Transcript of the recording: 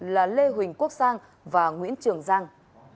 là lê huỳnh quốc sang và nguyễn trường giang